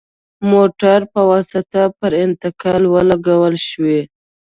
موټرو په واسطه پر انتقال ولګول شوې.